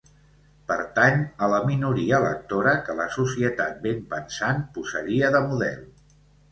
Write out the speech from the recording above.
Pertany a la minoria lectora que la societat benpensant posaria de model.